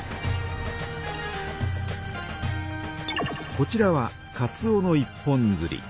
こちらはかつおの一本づり。